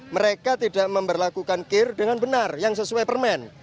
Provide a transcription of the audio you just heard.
mereka tidak memperlakukan kir dengan benar yang sesuai permen